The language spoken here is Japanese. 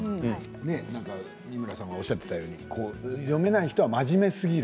美村さんがおっしゃっていたように読めない人は真面目すぎる。